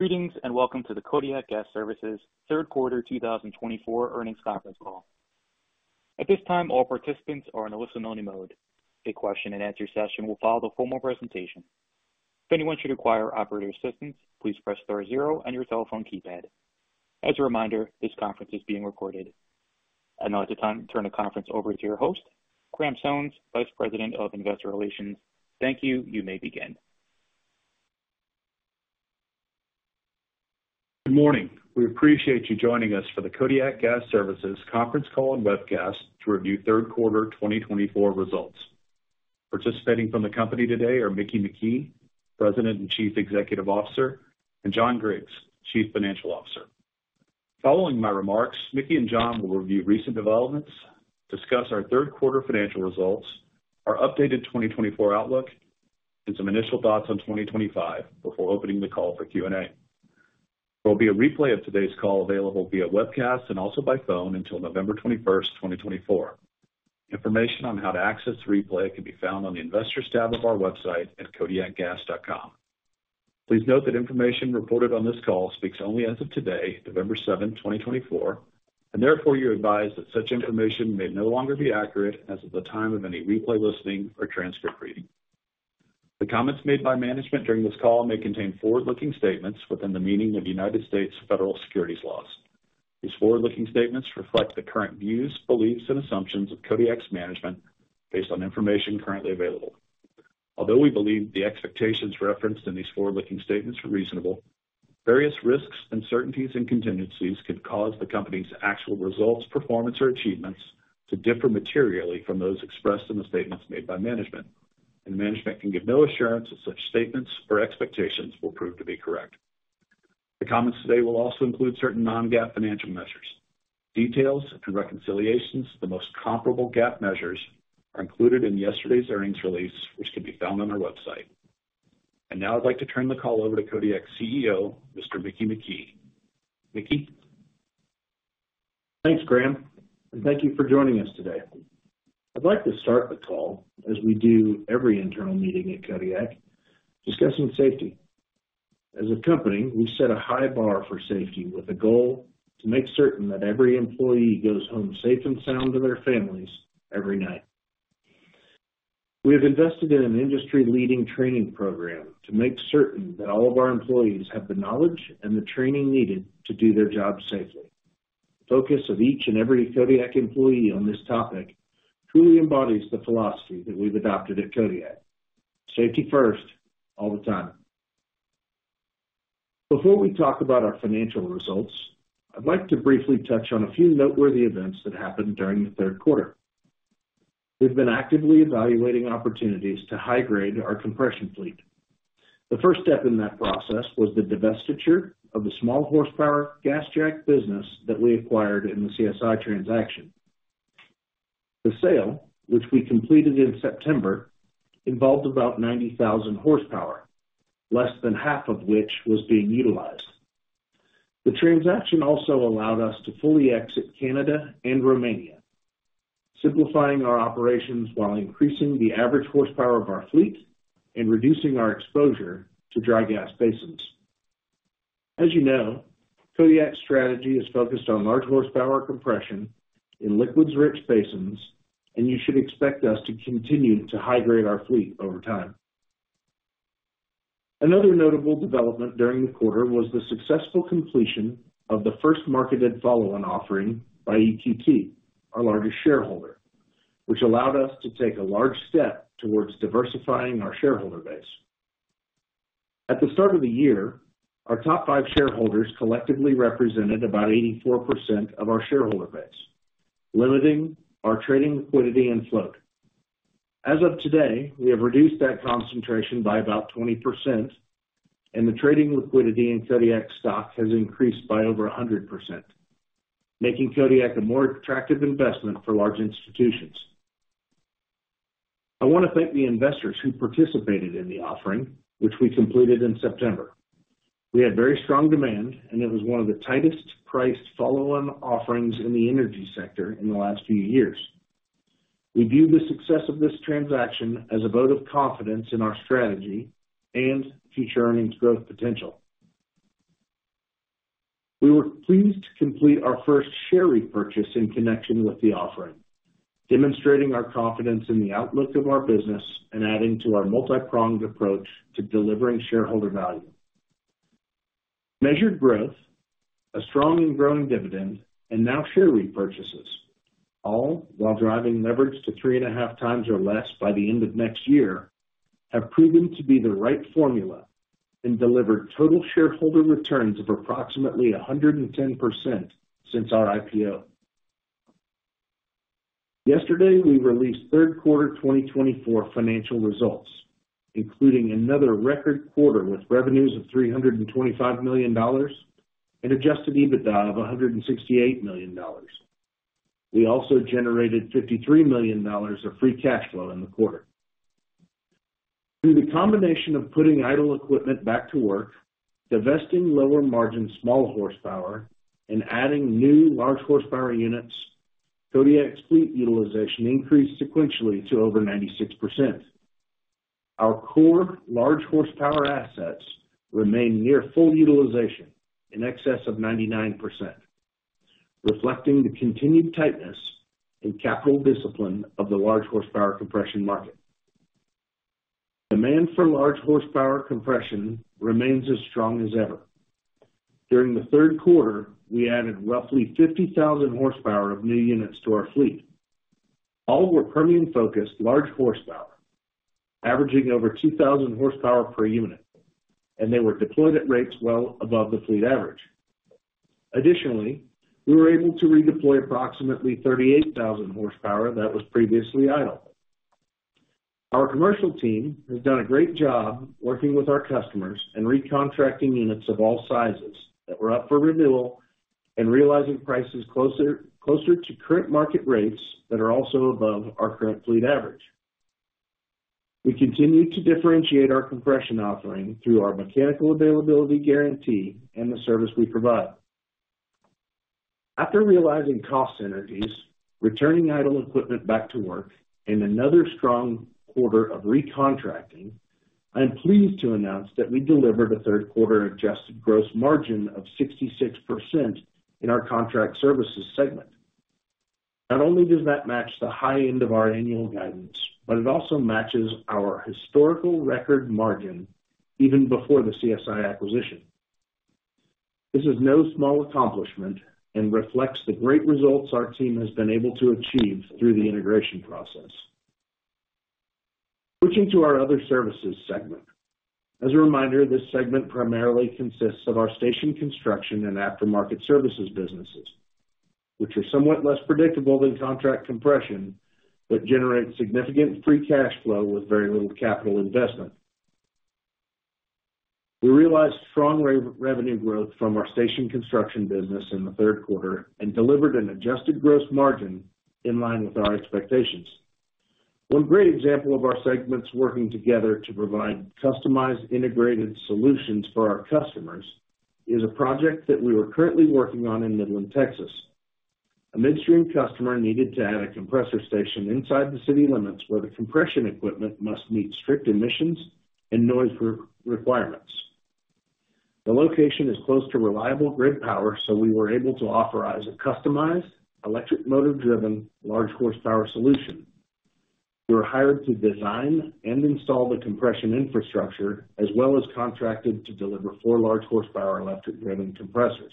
Greetings and welcome to the Kodiak Gas Services Third Quarter 2024 Earnings Conference Call. At this time, all participants are in a listen-only mode. A question-and-answer session will follow the formal presentation. If anyone should require operator assistance, please press star zero on your telephone keypad. As a reminder, this conference is being recorded. I'd now like to turn the conference over to your host, Graham Sones, Vice President of Investor Relations. Thank you. You may begin. Good morning. We appreciate you joining us for the Kodiak Gas Services conference call and webcast to review third quarter 2024 results. Participating from the company today are Mickey McKee, President and Chief Executive Officer, and John Griggs, Chief Financial Officer. Following my remarks, Mickey and John will review recent developments, discuss our third quarter financial results, our updated 2024 outlook, and some initial thoughts on 2025 before opening the call for Q&A. There will be a replay of today's call available via webcast and also by phone until November 21st, 2024. Information on how to access the replay can be found on the Investors tab of our website at kodiakgas.com. Please note that information reported on this call speaks only as of today, November 7, 2024, and therefore you're advised that such information may no longer be accurate as of the time of any replay listening or transcript reading. The comments made by management during this call may contain forward-looking statements within the meaning of United States federal securities laws. These forward-looking statements reflect the current views, beliefs, and assumptions of Kodiak's management based on information currently available. Although we believe the expectations referenced in these forward-looking statements are reasonable, various risks, uncertainties, and contingencies could cause the company's actual results, performance, or achievements to differ materially from those expressed in the statements made by management, and management can give no assurance that such statements or expectations will prove to be correct. The comments today will also include certain non-GAAP financial measures. Details and reconciliations of the most comparable GAAP measures are included in yesterday's earnings release, which can be found on our website. And now I'd like to turn the call over to Kodiak's CEO, Mr. Mickey McKee. Mickey. Thanks, Graham, and thank you for joining us today. I'd like to start the call, as we do every internal meeting at Kodiak, discussing safety. As a company, we set a high bar for safety with a goal to make certain that every employee goes home safe and sound to their families every night. We have invested in an industry-leading training program to make certain that all of our employees have the knowledge and the training needed to do their job safely. The focus of each and every Kodiak employee on this topic truly embodies the philosophy that we've adopted at Kodiak: safety first, all the time. Before we talk about our financial results, I'd like to briefly touch on a few noteworthy events that happened during the third quarter. We've been actively evaluating opportunities to high-grade our compression fleet. The first step in that process was the divestiture of the small horsepower GasJack business that we acquired in the CSI transaction. The sale, which we completed in September, involved about 90,000 horsepower, less than half of which was being utilized. The transaction also allowed us to fully exit Canada and Romania, simplifying our operations while increasing the average horsepower of our fleet and reducing our exposure to dry gas basins. As you know, Kodiak's strategy is focused on large horsepower compression in liquids-rich basins, and you should expect us to continue to high-grade our fleet over time. Another notable development during the quarter was the successful completion of the first marketed follow-on offering by EQT, our largest shareholder, which allowed us to take a large step towards diversifying our shareholder base. At the start of the year, our top five shareholders collectively represented about 84% of our shareholder base, limiting our trading liquidity and float. As of today, we have reduced that concentration by about 20%, and the trading liquidity in Kodiak's stock has increased by over 100%, making Kodiak a more attractive investment for large institutions. I want to thank the investors who participated in the offering, which we completed in September. We had very strong demand, and it was one of the tightest-priced follow-on offerings in the energy sector in the last few years. We view the success of this transaction as a vote of confidence in our strategy and future earnings growth potential. We were pleased to complete our first share repurchase in connection with the offering, demonstrating our confidence in the outlook of our business and adding to our multi-pronged approach to delivering shareholder value. Measured growth, a strong and growing dividend, and now share repurchases, all while driving leverage to three and a half times or less by the end of next year, have proven to be the right formula and delivered total shareholder returns of approximately 110% since our IPO. Yesterday, we released third quarter 2024 financial results, including another record quarter with revenues of $325 million and Adjusted EBITDA of $168 million. We also generated $53 million of free cash flow in the quarter. Through the combination of putting idle equipment back to work, divesting lower-margin small horsepower, and adding new large horsepower units, Kodiak's fleet utilization increased sequentially to over 96%. Our core large horsepower assets remain near full utilization in excess of 99%, reflecting the continued tightness and capital discipline of the large horsepower compression market. Demand for large horsepower compression remains as strong as ever. During the third quarter, we added roughly 50,000 horsepower of new units to our fleet. All were Permian-focused large horsepower, averaging over 2,000 horsepower per unit, and they were deployed at rates well above the fleet average. Additionally, we were able to redeploy approximately 38,000 horsepower that was previously idle. Our commercial team has done a great job working with our customers and recontracting units of all sizes that were up for renewal and realizing prices closer to current market rates that are also above our current fleet average. We continue to differentiate our compression offering through our mechanical availability guarantee and the service we provide. After realizing cost synergies, returning idle equipment back to work, and another strong quarter of recontracting, I'm pleased to announce that we delivered a third quarter adjusted gross margin of 66% in our contract services segment. Not only does that match the high end of our annual guidance, but it also matches our historical record margin even before the CSI acquisition. This is no small accomplishment and reflects the great results our team has been able to achieve through the integration process. Switching to our other services segment. As a reminder, this segment primarily consists of our station construction and aftermarket services businesses, which are somewhat less predictable than contract compression but generate significant free cash flow with very little capital investment. We realized strong revenue growth from our station construction business in the third quarter and delivered an adjusted gross margin in line with our expectations. One great example of our segments working together to provide customized integrated solutions for our customers is a project that we were currently working on in Midland, Texas. A midstream customer needed to add a compressor station inside the city limits where the compression equipment must meet strict emissions and noise requirements. The location is close to reliable grid power, so we were able to authorize a customized electric motor-driven large horsepower solution. We were hired to design and install the compression infrastructure as well as contracted to deliver four large horsepower electric-driven compressors.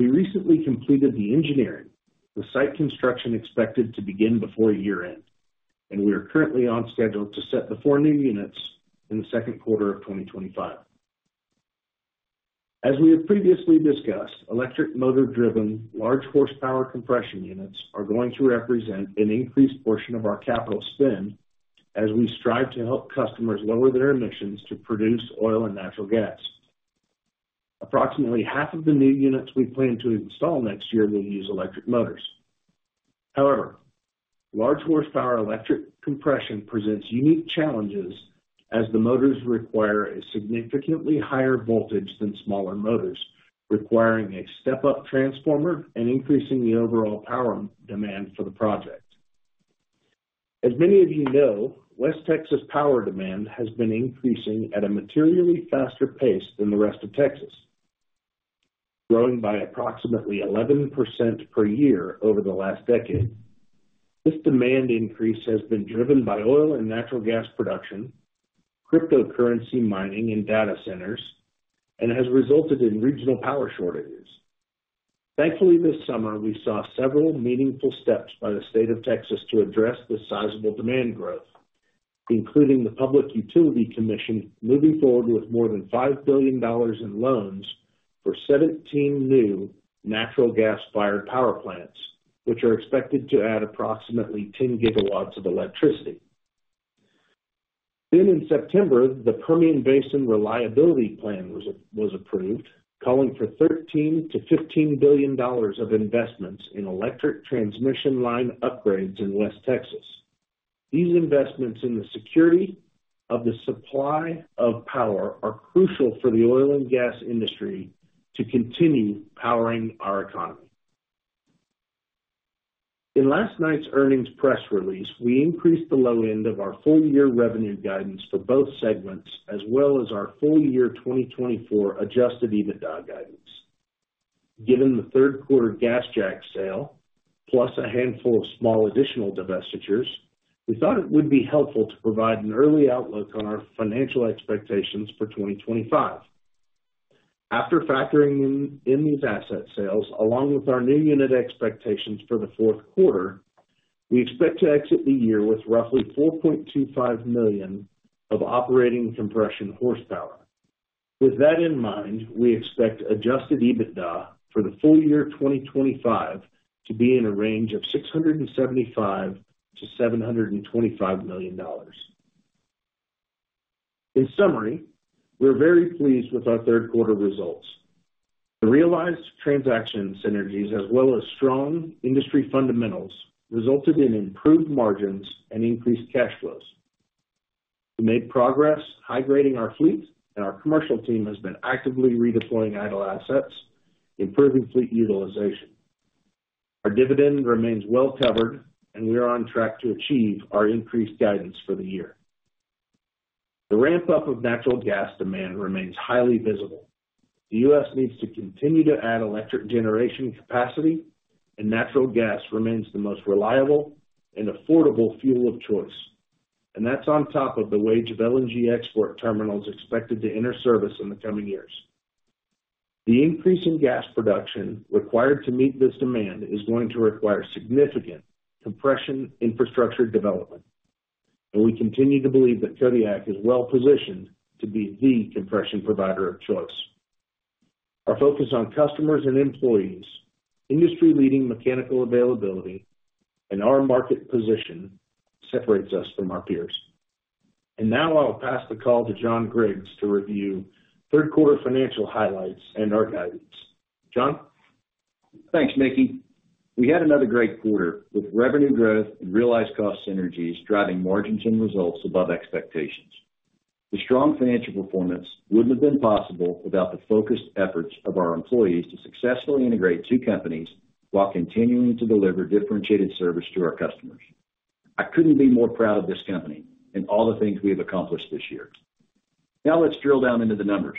We recently completed the engineering. The site construction is expected to begin before year-end, and we are currently on schedule to set the four new units in the second quarter of 2025. As we have previously discussed, electric motor-driven large horsepower compression units are going to represent an increased portion of our capital spend as we strive to help customers lower their emissions to produce oil and natural gas. Approximately half of the new units we plan to install next year will use electric motors. However, large horsepower electric compression presents unique challenges as the motors require a significantly higher voltage than smaller motors, requiring a step-up transformer and increasing the overall power demand for the project. As many of you know, West Texas power demand has been increasing at a materially faster pace than the rest of Texas, growing by approximately 11% per year over the last decade. This demand increase has been driven by oil and natural gas production, cryptocurrency mining in data centers, and has resulted in regional power shortages. Thankfully, this summer, we saw several meaningful steps by the state of Texas to address the sizable demand growth, including the Public Utility Commission moving forward with more than $5 billion in loans for 17 new natural gas-fired power plants, which are expected to add approximately 10 gigawatts of electricity. Then, in September, the Permian Basin Reliability Plan was approved, calling for $13-$15 billion of investments in electric transmission line upgrades in West Texas. These investments in the security of the supply of power are crucial for the oil and gas industry to continue powering our economy. In last night's earnings press release, we increased the low end of our full-year revenue guidance for both segments as well as our full-year 2024 Adjusted EBITDA guidance. Given the third quarter GasJack sale, plus a handful of small additional divestitures, we thought it would be helpful to provide an early outlook on our financial expectations for 2025. After factoring in these asset sales, along with our new unit expectations for the fourth quarter, we expect to exit the year with roughly 4.25 million of operating compression horsepower. With that in mind, we expect Adjusted EBITDA for the full year 2025 to be in a range of $675-$725 million. In summary, we're very pleased with our third quarter results. The realized transaction synergies, as well as strong industry fundamentals, resulted in improved margins and increased cash flows. We made progress, high-grading our fleet, and our commercial team has been actively redeploying idle assets, improving fleet utilization. Our dividend remains well covered, and we are on track to achieve our increased guidance for the year. The ramp-up of natural gas demand remains highly visible. The U.S. needs to continue to add electric generation capacity, and natural gas remains the most reliable and affordable fuel of choice, and that's on top of the wave of LNG export terminals expected to enter service in the coming years. The increase in gas production required to meet this demand is going to require significant compression infrastructure development, and we continue to believe that Kodiak is well positioned to be the compression provider of choice. Our focus on customers and employees, industry-leading mechanical availability, and our market position separates us from our peers. And now I'll pass the call to John Griggs to review third quarter financial highlights and our guidance. John? Thanks, Mickey. We had another great quarter with revenue growth and realized cost synergies driving margins and results above expectations. The strong financial performance wouldn't have been possible without the focused efforts of our employees to successfully integrate two companies while continuing to deliver differentiated service to our customers. I couldn't be more proud of this company and all the things we have accomplished this year. Now let's drill down into the numbers.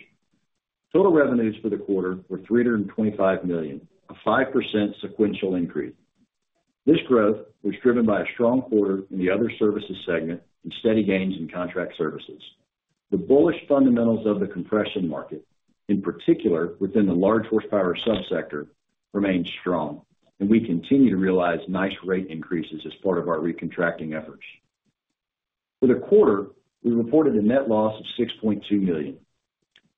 Total revenues for the quarter were $325 million, a 5% sequential increase. This growth was driven by a strong quarter in the other services segment and steady gains in contract services. The bullish fundamentals of the compression market, in particular within the large horsepower subsector, remained strong, and we continue to realize nice rate increases as part of our recontracting efforts. For the quarter, we reported a net loss of $6.2 million.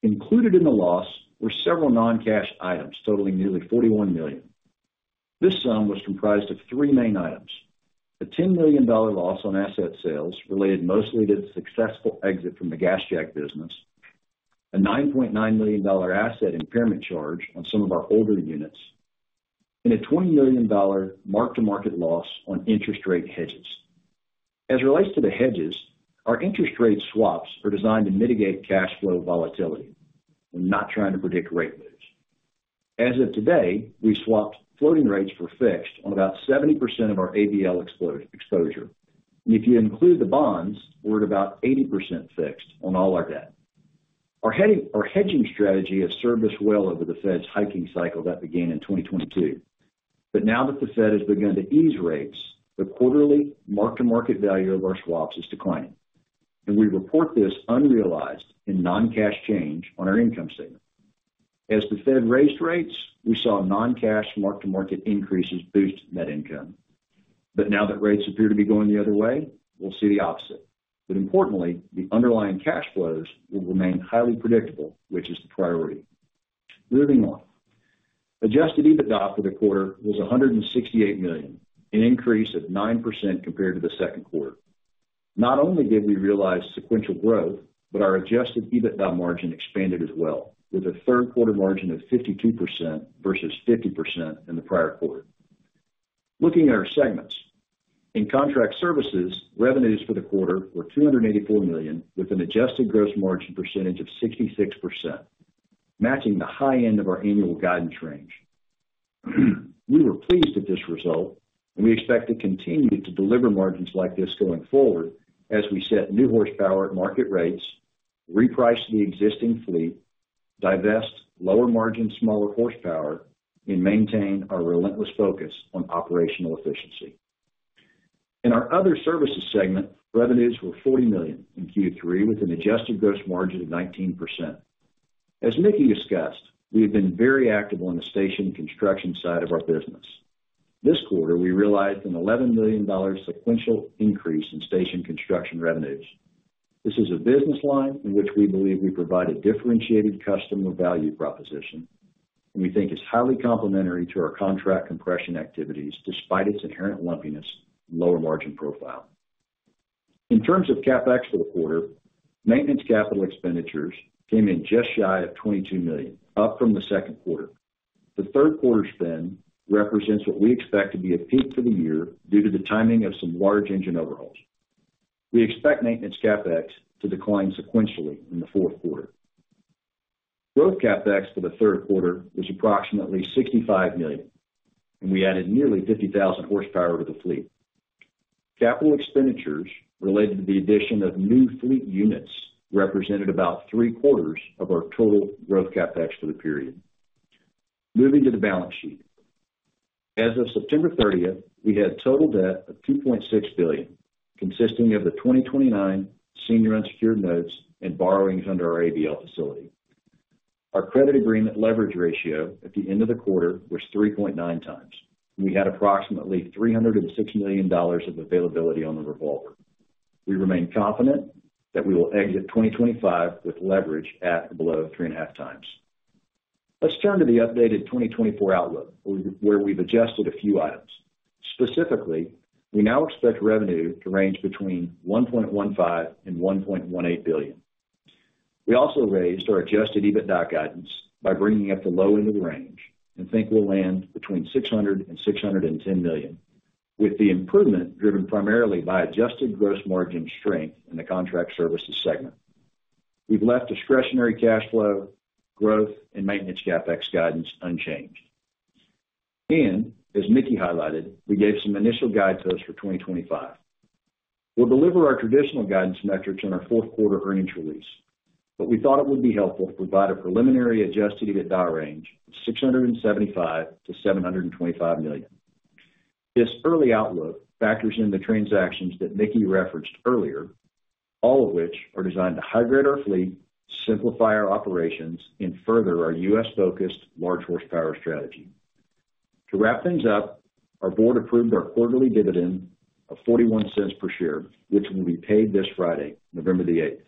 Included in the loss were several non-cash items totaling nearly $41 million. This sum was comprised of three main items: a $10 million loss on asset sales related mostly to the successful exit from the GasJack business, a $9.9 million asset impairment charge on some of our older units, and a $20 million mark-to-market loss on interest rate hedges. As it relates to the hedges, our interest rate swaps are designed to mitigate cash flow volatility. We're not trying to predict rate moves. As of today, we swapped floating rates for fixed on about 70% of our ABL exposure, and if you include the bonds, we're at about 80% fixed on all our debt. Our hedging strategy has served us well over the Fed's hiking cycle that began in 2022, but now that the Fed has begun to ease rates, the quarterly mark-to-market value of our swaps is declining, and we report this unrealized in non-cash change on our income statement. As the Fed raised rates, we saw non-cash mark-to-market increases boost net income, but now that rates appear to be going the other way, we'll see the opposite. But importantly, the underlying cash flows will remain highly predictable, which is the priority. Moving on, Adjusted EBITDA for the quarter was $168 million, an increase of 9% compared to the second quarter. Not only did we realize sequential growth, but our Adjusted EBITDA margin expanded as well, with a third quarter margin of 52% versus 50% in the prior quarter. Looking at our segments, in contract services, revenues for the quarter were $284 million with an Adjusted Gross Margin percentage of 66%, matching the high end of our annual guidance range. We were pleased with this result, and we expect to continue to deliver margins like this going forward as we set new horsepower at market rates, reprice the existing fleet, divest lower margin smaller horsepower, and maintain our relentless focus on operational efficiency. In our other services segment, revenues were $40 million in Q3 with an adjusted gross margin of 19%. As Mickey discussed, we have been very active on the station construction side of our business. This quarter, we realized an $11 million sequential increase in station construction revenues. This is a business line in which we believe we provide a differentiated customer value proposition, and we think is highly complementary to our contract compression activities despite its inherent lumpiness and lower margin profile. In terms of CapEx for the quarter, maintenance capital expenditures came in just shy of $22 million, up from the second quarter. The third quarter spend represents what we expect to be a peak for the year due to the timing of some large engine overhauls. We expect maintenance CapEx to decline sequentially in the fourth quarter. Growth CapEx for the third quarter was approximately $65 million, and we added nearly 50,000 horsepower to the fleet. Capital expenditures related to the addition of new fleet units represented about three quarters of our total growth CapEx for the period. Moving to the balance sheet, as of September 30th, we had total debt of $2.6 billion, consisting of the 2029 senior unsecured notes and borrowings under our ABL facility. Our credit agreement leverage ratio at the end of the quarter was 3.9 times, and we had approximately $306 million of availability on the revolver. We remain confident that we will exit 2025 with leverage at or below three and a half times. Let's turn to the updated 2024 outlook, where we've adjusted a few items. Specifically, we now expect revenue to range between $1.15-$1.18 billion. We also raised our Adjusted EBITDA guidance by bringing it up the low end of the range and think we'll land between $600-$610 million, with the improvement driven primarily by adjusted Gross Margin strength in the contract services segment. We've left Discretionary Cash Flow, growth, and maintenance CapEx guidance unchanged. And as Mickey highlighted, we gave some initial guidance for 2025. We'll deliver our traditional guidance metrics in our fourth quarter earnings release, but we thought it would be helpful to provide a preliminary Adjusted EBITDA range of $675-$725 million. This early outlook factors in the transactions that Mickey referenced earlier, all of which are designed to high-grade our fleet, simplify our operations, and further our U.S.-focused large horsepower strategy. To wrap things up, our board approved our quarterly dividend of $0.41 per share, which will be paid this Friday, November the 8th.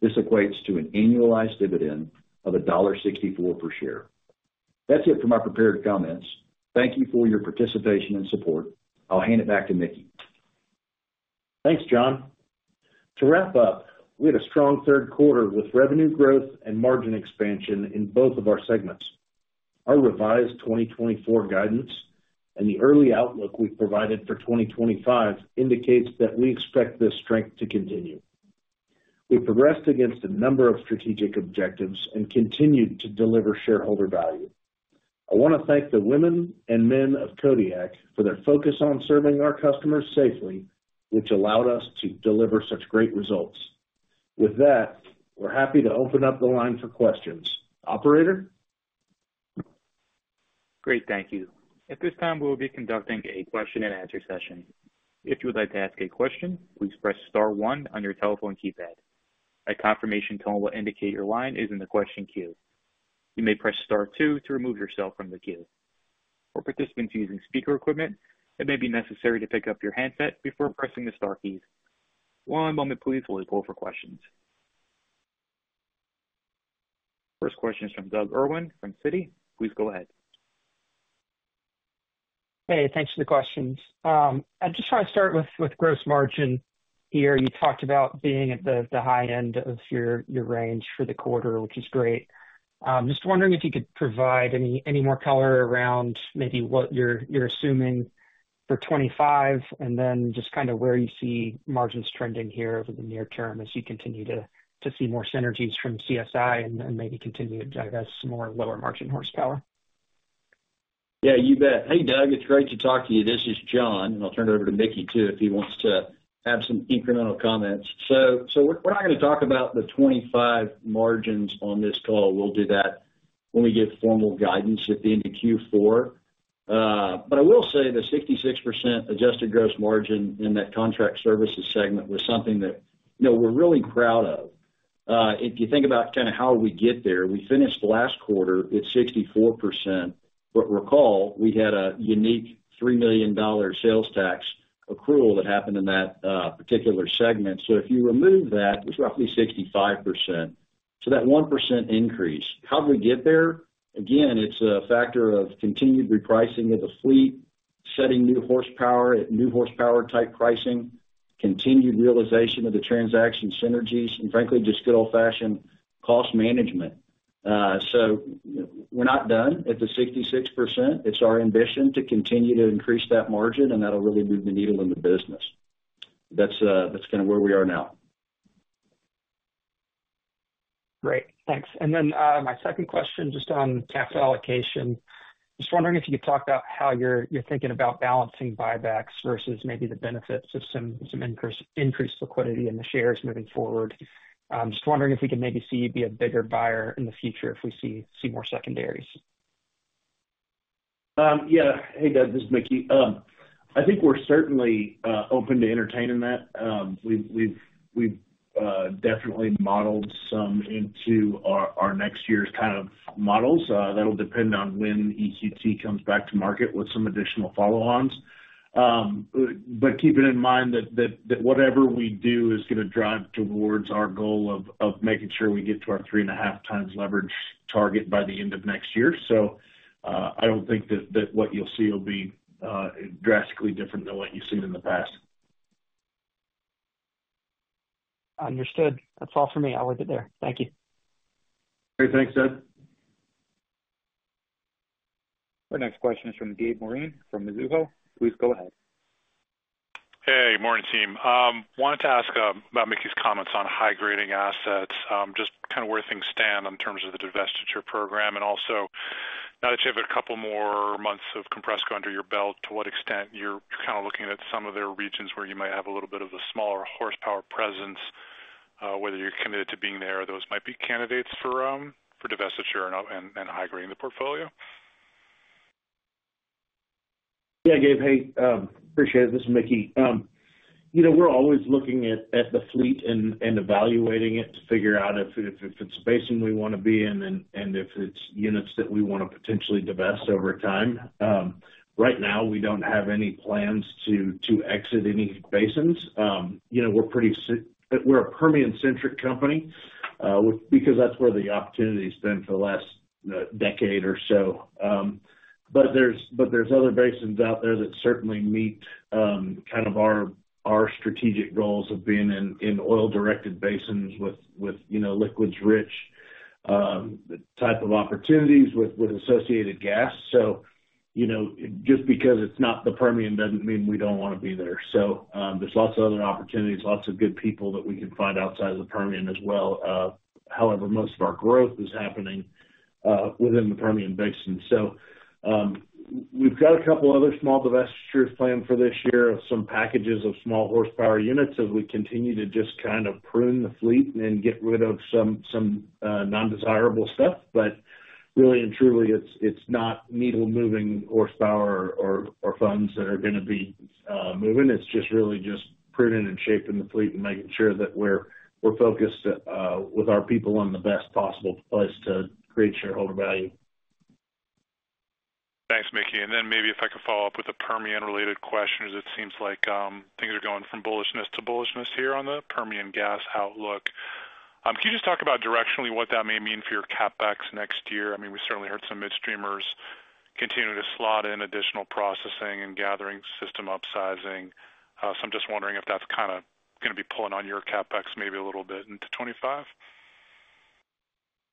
This equates to an annualized dividend of $1.64 per share. That's it for my prepared comments. Thank you for your participation and support. I'll hand it back to Mickey. Thanks, John. To wrap up, we had a strong third quarter with revenue growth and margin expansion in both of our segments. Our revised 2024 guidance and the early outlook we've provided for 2025 indicates that we expect this strength to continue. We progressed against a number of strategic objectives and continued to deliver shareholder value. I want to thank the women and men of Kodiak for their focus on serving our customers safely, which allowed us to deliver such great results. With that, we're happy to open up the line for questions. Operator? Great, thank you. At this time, we will be conducting a question-and-answer session. If you would like to ask a question, please press star 1 on your telephone keypad. A confirmation tone will indicate your line is in the question queue. You may press star 2 to remove yourself from the queue. For participants using speaker equipment, it may be necessary to pick up your handset before pressing the Star keys. One moment, please, while we pull for questions. First question is from Doug Irwin from Citi. Please go ahead. Hey, thanks for the questions. I just want to start with gross margin here. You talked about being at the high end of your range for the quarter, which is great. Just wondering if you could provide any more color around maybe what you're assuming for 2025 and then just kind of where you see margins trending here over the near term as you continue to see more synergies from CSI and maybe continue, I guess, more lower margin horsepower. Yeah, you bet. Hey, Doug, it's great to talk to you. This is John, and I'll turn it over to Mickey too if he wants to add some incremental comments. So we're not going to talk about the 2025 margins on this call. We'll do that when we give formal guidance at the end of Q4. But I will say the 66% adjusted gross margin in that contract services segment was something that we're really proud of. If you think about kind of how we get there, we finished last quarter at 64%, but recall we had a unique $3 million sales tax accrual that happened in that particular segment. So if you remove that, it's roughly 65%. So that 1% increase, how do we get there? Again, it's a factor of continued repricing of the fleet, setting new horsepower at new horsepower-type pricing, continued realization of the transaction synergies, and frankly, just good old-fashioned cost management. So we're not done at the 66%. It's our ambition to continue to increase that margin, and that'll really move the needle in the business. That's kind of where we are now. Great, thanks. And then my second question just on capital allocation. Just wondering if you could talk about how you're thinking about balancing buybacks versus maybe the benefits of some increased liquidity in the shares moving forward. Just wondering if we can maybe see you be a bigger buyer in the future if we see more secondaries. Yeah, hey, Doug, this is Mickey. I think we're certainly open to entertaining that. We've definitely modeled some into our next year's kind of models. That'll depend on when EQT comes back to market with some additional follow-ons. But keeping in mind that whatever we do is going to drive towards our goal of making sure we get to our three and a half times leverage target by the end of next year. So I don't think that what you'll see will be drastically different than what you've seen in the past. Understood. That's all for me. I'll leave it there. Thank you. Great, thanks, Doug. Our next question is from Gabe Moreen from Mizuho. Please go ahead. Hey, morning, team. Wanted to ask about Mickey's comments on high-grading assets, just kind of where things stand in terms of the divestiture program, and also, now that you have a couple more months of Compressco under your belt, to what extent you're kind of looking at some of their regions where you might have a little bit of a smaller horsepower presence, whether you're committed to being there, those might be candidates for divestiture and high-grading the portfolio? Yeah, Gabe, hey, appreciate it. This is Mickey. We're always looking at the fleet and evaluating it to figure out if it's a basin we want to be in and if it's units that we want to potentially divest over time. Right now, we don't have any plans to exit any basins. We're a Permian-centric company because that's where the opportunity has been for the last decade or so. But there's other basins out there that certainly meet kind of our strategic goals of being in oil-directed basins with liquids-rich type of opportunities with associated gas. So just because it's not the Permian doesn't mean we don't want to be there. So there's lots of other opportunities, lots of good people that we can find outside of the Permian as well. However, most of our growth is happening within the Permian Basin. So we've got a couple other small divestitures planned for this year of some packages of small horsepower units as we continue to just kind of prune the fleet and get rid of some non-desirable stuff. But really and truly, it's not needle-moving horsepower or funds that are going to be moving. It's just really pruning and shaping the fleet and making sure that we're focused with our people in the best possible place to create shareholder value. Thanks, Mickey. Then maybe if I could follow up with a Permian-related question as it seems like things are going from bullishness to bullishness here on the Permian gas outlook. Can you just talk about directionally what that may mean for your CapEx next year? I mean, we certainly heard some midstreamers continue to slot in additional processing and gathering system upsizing. So I'm just wondering if that's kind of going to be pulling on your CapEx maybe a little bit into 2025.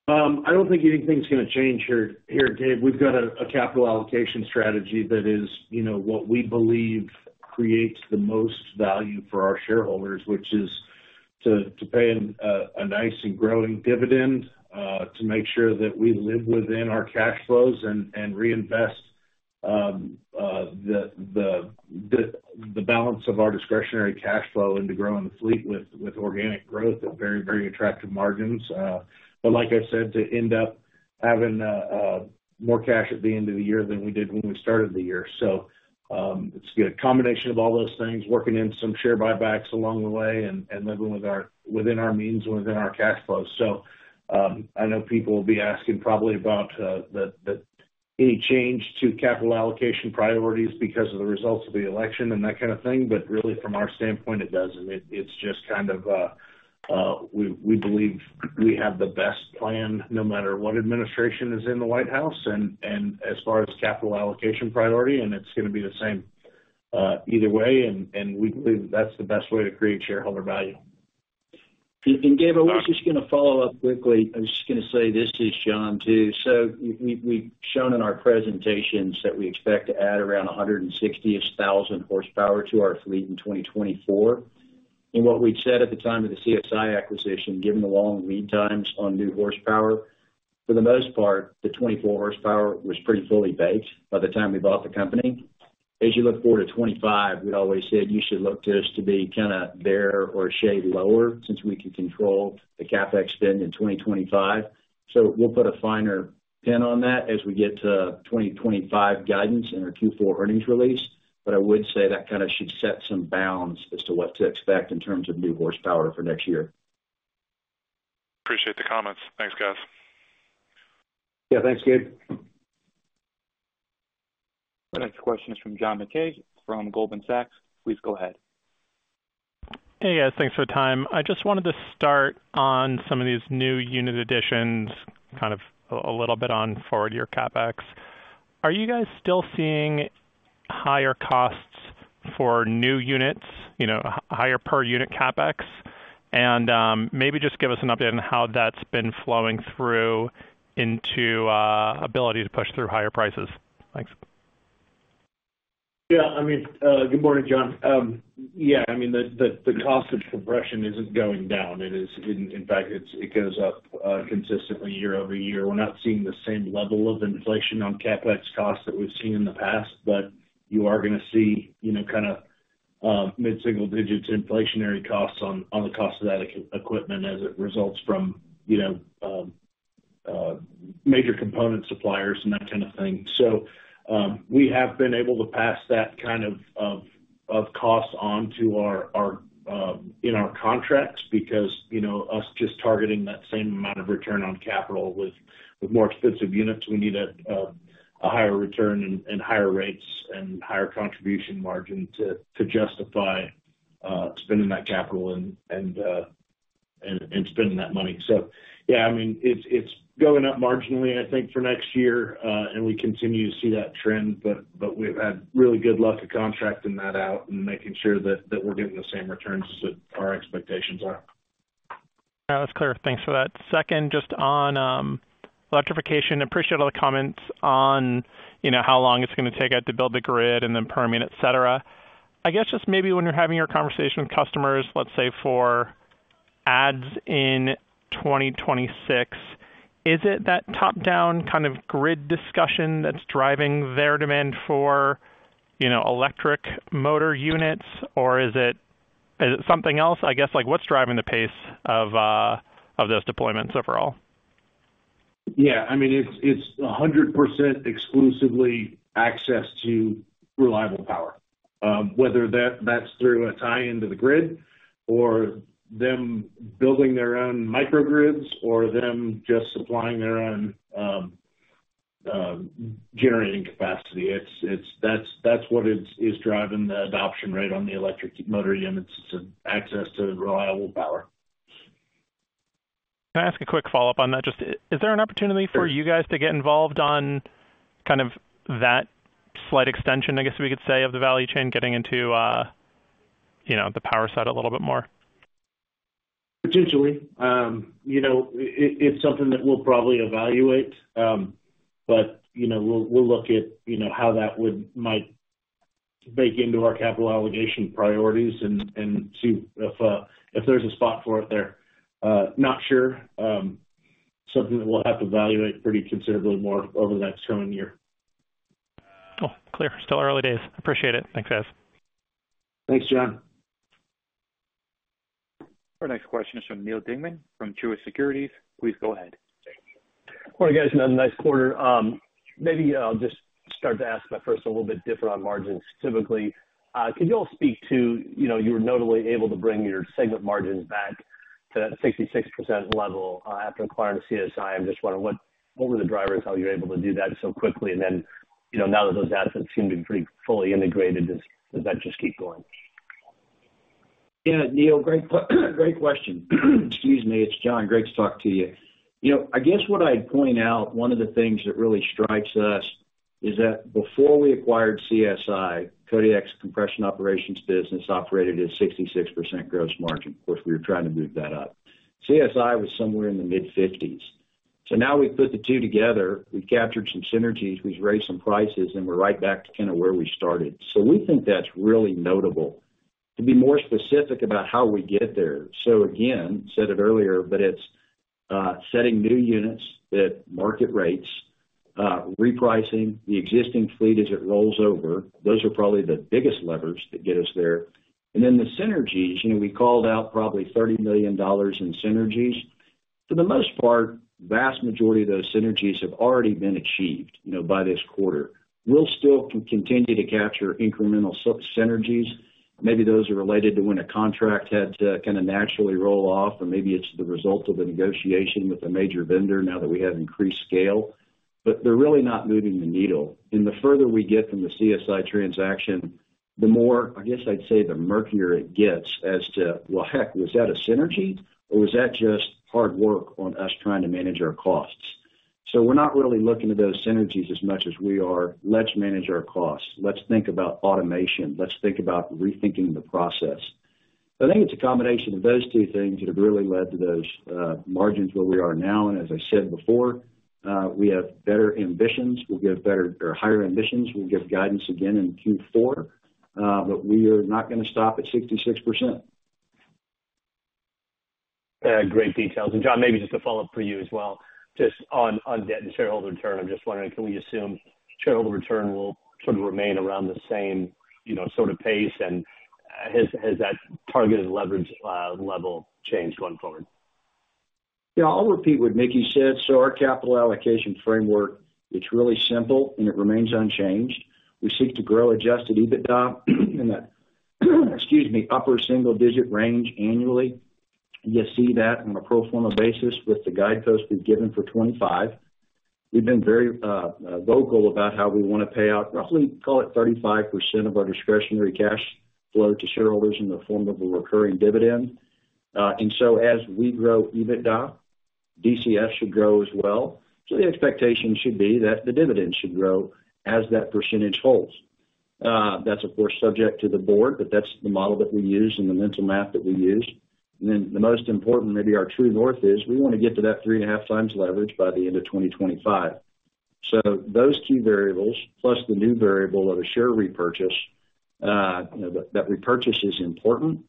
I don't think anything's going to change here, Gabe. We've got a capital allocation strategy that is what we believe creates the most value for our shareholders, which is to pay a nice and growing dividend to make sure that we live within our cash flows and reinvest the balance of our discretionary cash flow into growing the fleet with organic growth at very, very attractive margins. But like I said, to end up having more cash at the end of the year than we did when we started the year. So it's a good combination of all those things, working in some share buybacks along the way and living within our means and within our cash flows. So I know people will be asking probably about any change to capital allocation priorities because of the results of the election and that kind of thing. But really, from our standpoint, it doesn't. It's just kind of we believe we have the best plan no matter what administration is in the White House and as far as capital allocation priority, and it's going to be the same either way. We believe that that's the best way to create shareholder value. Gabe, I was just going to follow up quickly. I was just going to say this to John too. We've shown in our presentations that we expect to add around 160,000 horsepower to our fleet in 2024. What we'd said at the time of the CSI acquisition, given the long lead times on new horsepower, for the most part, the 24 horsepower was pretty fully baked by the time we bought the company. As you look forward to 2025, we'd always said you should look to us to be kind of there or a shade lower since we can control the CapEx spend in 2025. So we'll put a finer pin on that as we get to 2025 guidance in our Q4 earnings release. But I would say that kind of should set some bounds as to what to expect in terms of new horsepower for next year. Appreciate the comments. Thanks, guys. Yeah, thanks, Gabe. Our next question is from John Mackay from Goldman Sachs. Please go ahead. Hey, guys, thanks for the time. I just wanted to start on some of these new unit additions, kind of a little bit on forward year CapEx. Are you guys still seeing higher costs for new units, higher per unit CapEx? Maybe just give us an update on how that's been flowing through into ability to push through higher prices. Thanks. Yeah, I mean, good morning, John. Yeah, I mean, the cost of compression isn't going down. In fact, it goes up consistently year over year. We're not seeing the same level of inflation on CapEx costs that we've seen in the past, but you are going to see kind of mid-single digits inflationary costs on the cost of that equipment as it results from major component suppliers and that kind of thing. So we have been able to pass that kind of cost onto our contracts because us just targeting that same amount of return on capital with more expensive units, we need a higher return and higher rates and higher contribution margin to justify spending that capital and spending that money. So yeah, I mean, it's going up marginally, I think, for next year, and we continue to see that trend, but we've had really good luck of contracting that out and making sure that we're getting the same returns as our expectations are. That's clear. Thanks for that. Second, just on electrification, appreciate all the comments on how long it's going to take to build the grid and then Permian, etc. I guess just maybe when you're having your conversation with customers, let's say for ads in 2026, is it that top-down kind of grid discussion that's driving their demand for electric motor units, or is it something else? I guess what's driving the pace of those deployments overall? Yeah, I mean, it's 100% exclusively access to reliable power. Whether that's through a tie-in to the grid or them building their own microgrids or them just supplying their own generating capacity, that's what is driving the adoption rate on the electric motor units to access to reliable power. Can I ask a quick follow-up on that? Just is there an opportunity for you guys to get involved on kind of that slight extension, I guess we could say, of the value chain, getting into the power side a little bit more? Potentially. It's something that we'll probably evaluate, but we'll look at how that might bake into our capital allocation priorities and see if there's a spot for it there. Not sure. Something that we'll have to evaluate pretty considerably more over the next coming year. Cool. Clear. Still early days. Appreciate it. Thanks, guys. Thanks, John. Our next question is from Neal Dingman from Truist Securities. Please go ahead. Morning, guys. Another nice quarter. Maybe I'll just start to ask my first a little bit different on margins. Typically, could you all speak to how you were notably able to bring your segment margins back to that 66% level after acquiring CSI? I'm just wondering what the drivers were, how you were able to do that so quickly? And then now that those assets seem to be pretty fully integrated, does that just keep going? Yeah, Neal, great question. Excuse me, it's John. Great to talk to you. I guess what I'd point out, one of the things that really strikes us is that before we acquired CSI, Kodiak's compression operations business operated at a 66% gross margin. Of course, we were trying to move that up. CSI was somewhere in the mid-50s. So now we've put the two together, we've captured some synergies, we've raised some prices, and we're right back to kind of where we started. So we think that's really notable. To be more specific about how we get there, so again, said it earlier, but it's setting new units at market rates, repricing the existing fleet as it rolls over. Those are probably the biggest levers that get us there. And then the synergies, we called out probably $30 million in synergies. For the most part, the vast majority of those synergies have already been achieved by this quarter. We'll still continue to capture incremental synergies. Maybe those are related to when a contract had to kind of naturally roll off, or maybe it's the result of a negotiation with a major vendor now that we have increased scale. But they're really not moving the needle. And the further we get from the CSI transaction, the more, I guess I'd say, the murkier it gets as to, well, heck, was that a synergy? Or was that just hard work on us trying to manage our costs? So we're not really looking at those synergies as much as we are. Let's manage our costs. Let's think about automation. Let's think about rethinking the process. I think it's a combination of those two things that have really led to those margins where we are now. And as I said before, we have better ambitions. We'll get better or higher ambitions. We'll get guidance again in Q4. But we are not going to stop at 66%. Great details. And John, maybe just a follow-up for you as well. Just on debt and shareholder return, I'm just wondering, can we assume shareholder return will sort of remain around the same sort of pace? And has that targeted leverage level changed going forward? Yeah, I'll repeat what Mickey said. So our capital allocation framework, it's really simple, and it remains unchanged. We seek to grow Adjusted EBITDA in that, excuse me, upper single-digit range annually. You see that on a pro forma basis with the guidepost we've given for 2025. We've been very vocal about how we want to pay out roughly, call it 35% of our Discretionary Cash Flow to shareholders in the form of a recurring dividend. And so as we grow EBITDA, DCF should grow as well. So the expectation should be that the dividend should grow as that percentage holds. That's, of course, subject to the board, but that's the model that we use and the mental math that we use, and then the most important, maybe our true north is we want to get to that three and a half times leverage by the end of 2025, so those two variables, plus the new variable of a share repurchase, that repurchase is important.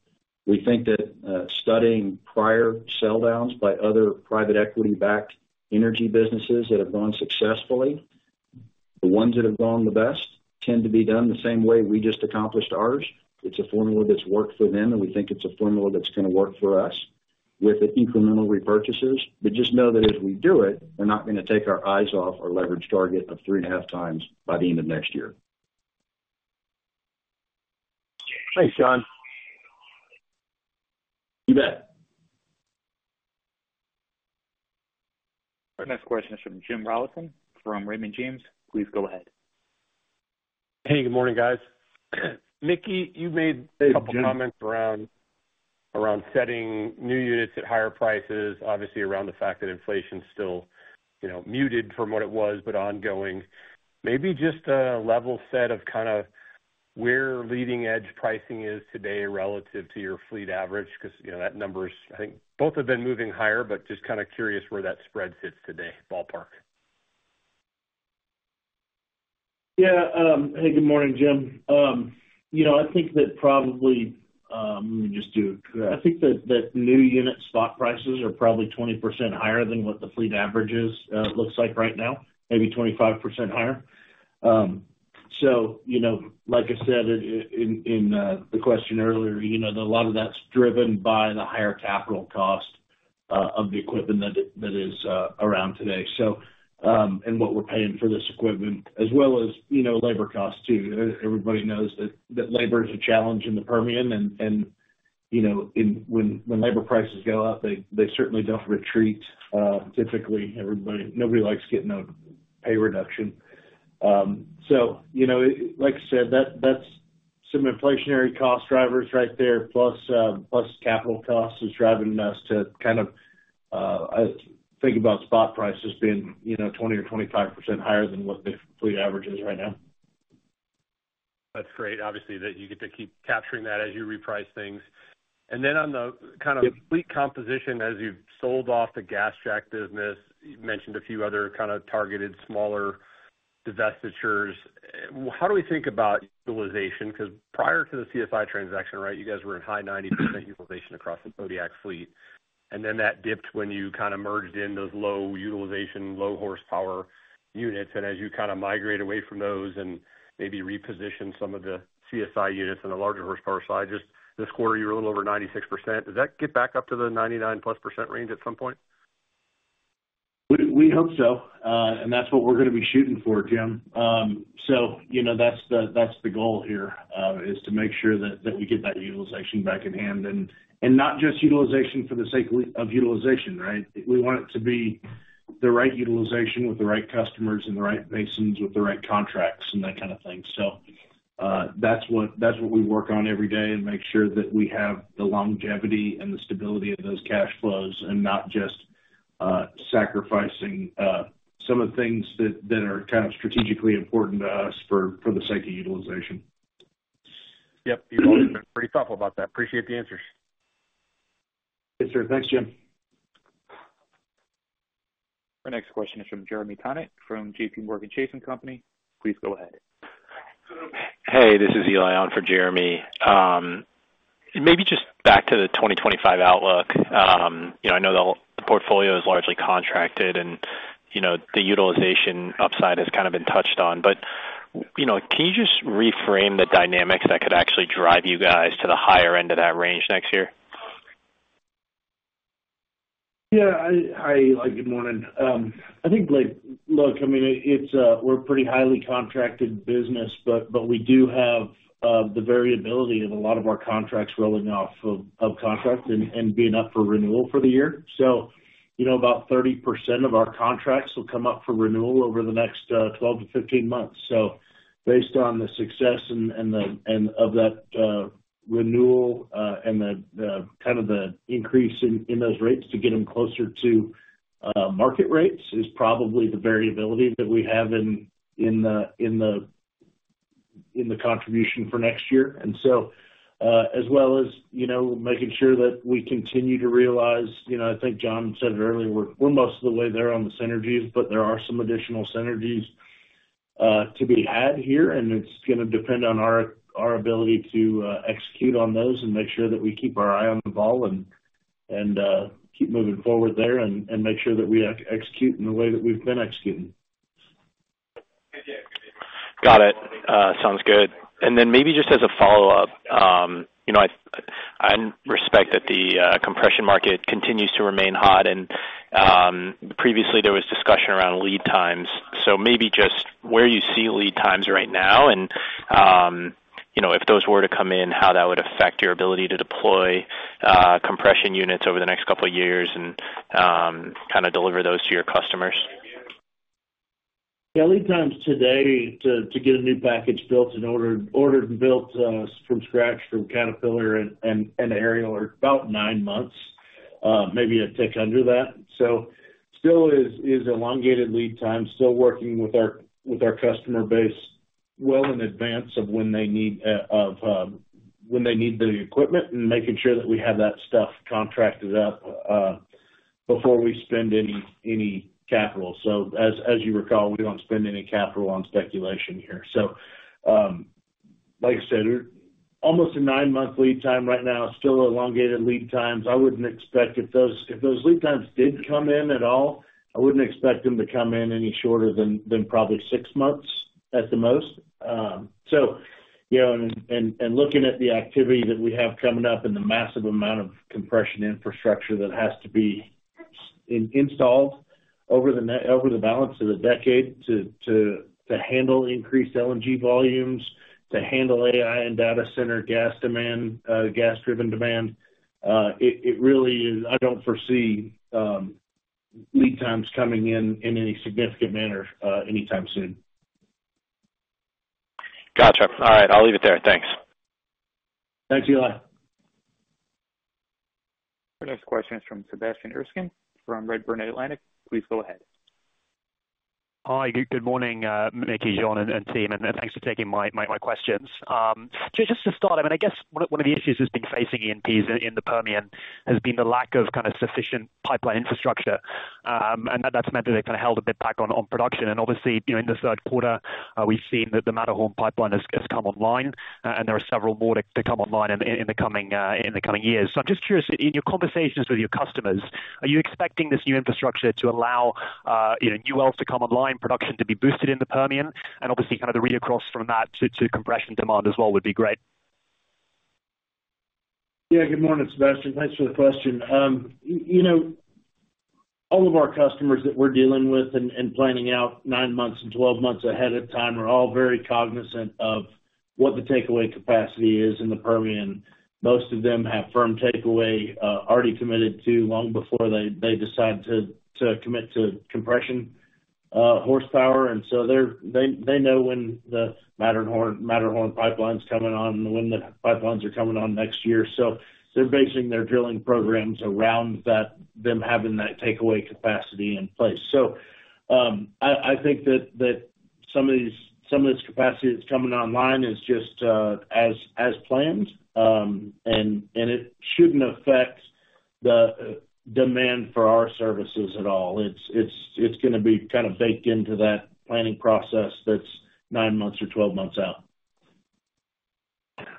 We think that studying prior sell-downs by other private equity-backed energy businesses that have gone successfully, the ones that have gone the best, tend to be done the same way we just accomplished ours. It's a formula that's worked for them, and we think it's a formula that's going to work for us with the incremental repurchases. But just know that as we do it, we're not going to take our eyes off our leverage target of three and a half times by the end of next year. Thanks, John. You bet. Our next question is from Jim Rollyson from Raymond James. Please go ahead. Hey, good morning, guys. Mickey, you made a couple of comments around setting new units at higher prices, obviously around the fact that inflation's still muted from what it was, but ongoing. Maybe just a level set of kind of where leading-edge pricing is today relative to your fleet average because that number's, I think, both have been moving higher, but just kind of curious where that spread sits today, ballpark. Yeah. Hey, good morning, Jim. I think that probably let me just do it. I think that new unit stock prices are probably 20% higher than what the fleet average looks like right now, maybe 25% higher. So like I said in the question earlier, a lot of that's driven by the higher capital cost of the equipment that is around today and what we're paying for this equipment, as well as labor costs too. Everybody knows that labor is a challenge in the Permian, and when labor prices go up, they certainly don't retreat. Typically, nobody likes getting a pay reduction, so like I said, that's some inflationary cost drivers right there, plus capital costs is driving us to kind of think about spot prices being 20% or 25% higher than what the fleet average is right now. That's great, obviously, that you get to keep capturing that as you reprice things. And then on the kind of fleet composition, as you've sold off the GasJack business, you mentioned a few other kind of targeted smaller divestitures. How do we think about utilization? Because prior to the CSI transaction, right, you guys were in high 90% utilization across the Kodiak fleet. And then that dipped when you kind of merged in those low utilization, low horsepower units. And as you kind of migrate away from those and maybe reposition some of the CSI units on the larger horsepower side, just this quarter, you were a little over 96%. Does that get back up to the 99-plus% range at some point? We hope so. And that's what we're going to be shooting for, Jim. So that's the goal here, is to make sure that we get that utilization back in hand. And not just utilization for the sake of utilization, right? We want it to be the right utilization with the right customers and the right basins with the right contracts and that kind of thing. So that's what we work on every day and make sure that we have the longevity and the stability of those cash flows and not just sacrificing some of the things that are kind of strategically important to us for the sake of utilization. Yep. You've always been pretty thoughtful about that. Appreciate the answers. Yes, sir. Thanks, Jim. Our next question is from Jeremy Tonet from JPMorgan Chase. Please go ahead. Hey, this is Eli on for Jeremy. Maybe just back to the 2025 outlook. I know the portfolio is largely contracted, and the utilization upside has kind of been touched on. But can you just reframe the dynamics that could actually drive you guys to the higher end of that range next year? Yeah. Hi, Eli. Good morning. I think, look, I mean, we're a pretty highly contracted business, but we do have the variability of a lot of our contracts rolling off of contract and being up for renewal for the year, so about 30% of our contracts will come up for renewal over the next 12-15 months. So based on the success of that renewal and kind of the increase in those rates to get them closer to market rates is probably the variability that we have in the contribution for next year, and so as well as making sure that we continue to realize, I think John said it earlier, we're most of the way there on the synergies, but there are some additional synergies to be had here. And it's going to depend on our ability to execute on those and make sure that we keep our eye on the ball and keep moving forward there and make sure that we execute in the way that we've been executing. Got it. Sounds good. And then maybe just as a follow-up, I respect that the compression market continues to remain hot. And previously, there was discussion around lead times. So maybe just where you see lead times right now and if those were to come in, how that would affect your ability to deploy compression units over the next couple of years and kind of deliver those to your customers. Yeah. Lead times today to get a new package built in order to build from scratch from Caterpillar and Ariel are about nine months, maybe a tick under that. So still is elongated lead time, still working with our customer base well in advance of when they need the equipment and making sure that we have that stuff contracted up before we spend any capital. So as you recall, we don't spend any capital on speculation here. So like I said, almost a nine-month lead time right now, still elongated lead times. I wouldn't expect if those lead times did come in at all, I wouldn't expect them to come in any shorter than probably six months at the most. So and looking at the activity that we have coming up and the massive amount of compression infrastructure that has to be installed over the balance of a decade to handle increased LNG volumes, to handle AI and data center gas-driven demand, it really is I don't foresee lead times coming in any significant manner anytime soon. Gotcha. All right. I'll leave it there. Thanks. Thanks, Eli. Our next question is from Sebastian Erskine from Redburn Atlantic. Please go ahead. Hi. Good morning, Mickey, John, and team. And thanks for taking my questions. Just to start, I mean, I guess one of the issues that's been facing E&Ps in the Permian has been the lack of kind of sufficient pipeline infrastructure. And that's meant that they've kind of held a bit back on production. And obviously, in the third quarter, we've seen that the Matterhorn pipeline has come online, and there are several more to come online in the coming years. So I'm just curious, in your conversations with your customers, are you expecting this new infrastructure to allow new wells to come online, production to be boosted in the Permian? And obviously, kind of the read across from that to compression demand as well would be great. Yeah. Good morning, Sebastian. Thanks for the question. All of our customers that we're dealing with and planning out nine months and 12 months ahead of time are all very cognizant of what the takeaway capacity is in the Permian. Most of them have firm takeaway already committed to long before they decide to commit to compression horsepower. And so they know when the Matterhorn pipeline's coming on and when the pipelines are coming on next year. So they're basing their drilling programs around them having that takeaway capacity in place. So I think that some of this capacity that's coming online is just as planned, and it shouldn't affect the demand for our services at all. It's going to be kind of baked into that planning process that's nine months or 12 months out.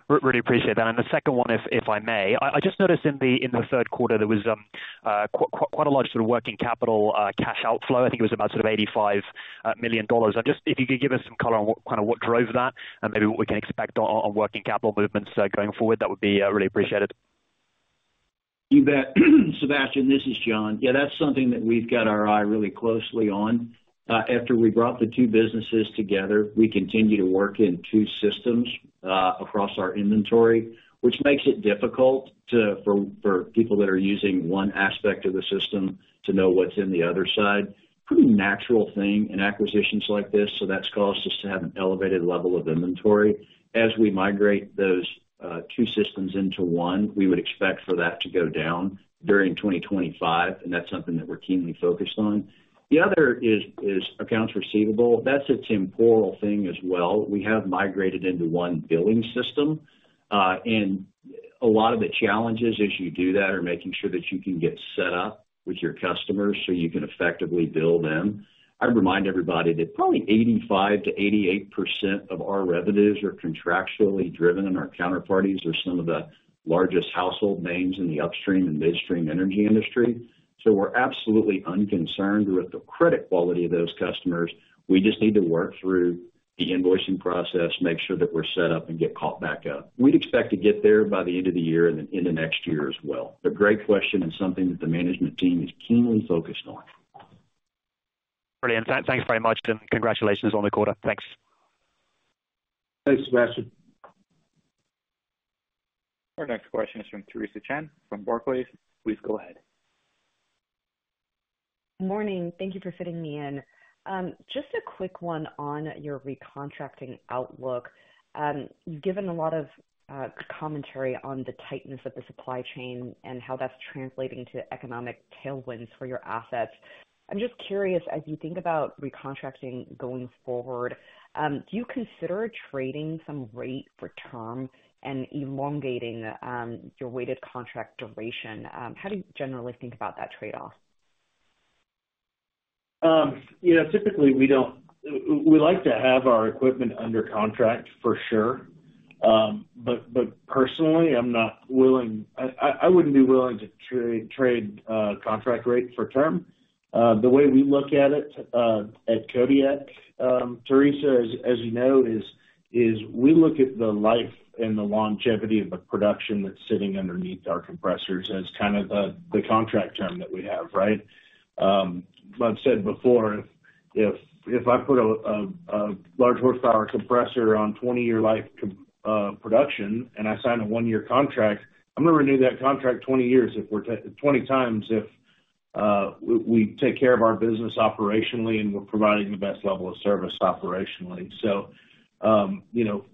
Really appreciate that. And the second one, if I may, I just noticed in the third quarter, there was quite a large sort of working capital cash outflow. I think it was about sort of $85 million. And just if you could give us some color on kind of what drove that and maybe what we can expect on working capital movements going forward, that would be really appreciated. You bet. Sebastian, this is John. Yeah, that's something that we've got our eye really closely on. After we brought the two businesses together, we continue to work in two systems across our inventory, which makes it difficult for people that are using one aspect of the system to know what's in the other side. Pretty natural thing in acquisitions like this. So that's caused us to have an elevated level of inventory. As we migrate those two systems into one, we would expect for that to go down during 2025, and that's something that we're keenly focused on. The other is accounts receivable. That's a normal thing as well. We have migrated into one billing system. And a lot of the challenges as you do that are making sure that you can get set up with your customers so you can effectively bill them. I remind everybody that probably 85%-88% of our revenues are contractually driven, and our counterparties are some of the largest household names in the upstream and midstream energy industry. So we're absolutely unconcerned with the credit quality of those customers. We just need to work through the invoicing process, make sure that we're set up, and get caught back up. We'd expect to get there by the end of the year and into next year as well. A great question and something that the management team is keenly focused on. Brilliant. Thanks very much, and congratulations on the quarter. Thanks. Thanks, Sebastian. Our next question is from Theresa Chen from Barclays. Please go ahead. Good morning. Thank you for fitting me in. Just a quick one on your recontracting outlook. You've given a lot of commentary on the tightness of the supply chain and how that's translating to economic tailwinds for your assets. I'm just curious, as you think about recontracting going forward, do you consider trading some rate for term and elongating your weighted contract duration? How do you generally think about that trade-off? Typically, we like to have our equipment under contract for sure. Personally, I wouldn't be willing to trade contract rate for term. The way we look at it at Kodiak, Theresa, as you know, is we look at the life and the longevity of the production that's sitting underneath our compressors as kind of the contract term that we have, right? I've said before, if I put a large horsepower compressor on 20-year life production and I sign a one-year contract, I'm going to renew that contract 20 times if we take care of our business operationally and we're providing the best level of service operationally.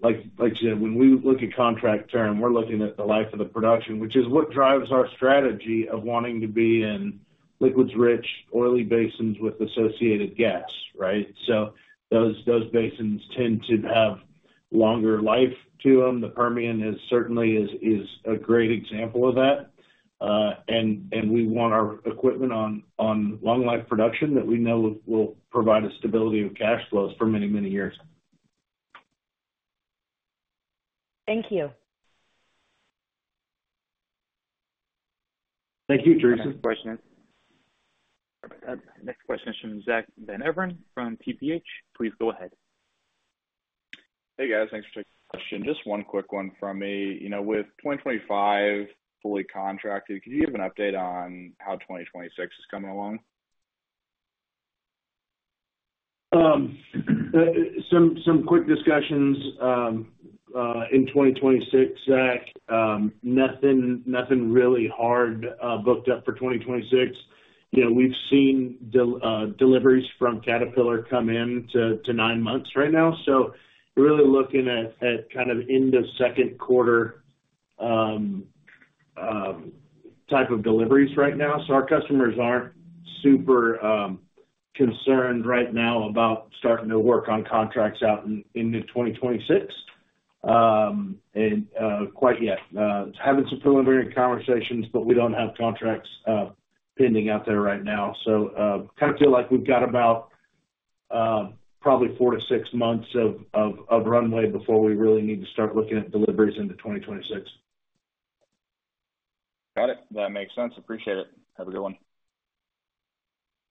Like you said, when we look at contract term, we're looking at the life of the production, which is what drives our strategy of wanting to be in liquids-rich, oily basins with associated gas, right? Those basins tend to have longer life to them. The Permian certainly is a great example of that. And we want our equipment on long-life production that we know will provide us stability of cash flows for many, many years. Thank you. Thank you, Theresa. Next question. Next question is from Zack Van Everen from TPH. Please go ahead. Hey, guys. Thanks for taking the question. Just one quick one from me. With 2025 fully contracted, could you give an update on how 2026 is coming along? Some quick discussions in 2026, Zack. Nothing really hard booked up for 2026. We've seen deliveries from Caterpillar come in to nine months right now. So we're really looking at kind of end of second quarter type of deliveries right now. So our customers aren't super concerned right now about starting to work on contracts out into 2026 quite yet. Having some preliminary conversations, but we don't have contracts pending out there right now. So kind of feel like we've got about probably four to six months of runway before we really need to start looking at deliveries into 2026. Got it. That makes sense. Appreciate it. Have a good one.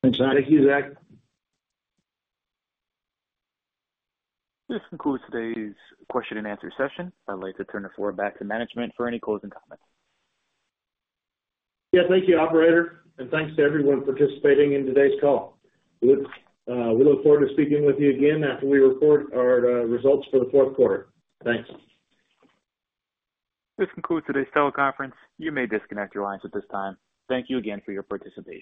Thank you, Zack. This concludes today's question-and-answer session. I'd like to turn the floor back to management for any closing comments. Yeah. Thank you, operator. And thanks to everyone participating in today's call. We look forward to speaking with you again after we report our results for the fourth quarter. Thanks. This concludes today's teleconference. You may disconnect your lines at this time. Thank you again for your participation.